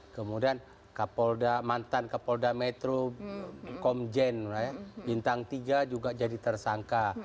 kemudian kapolda mantan kapolda metro komjen bintang tiga juga jadi tersangka